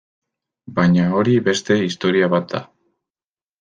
Baina hori beste historia bat da.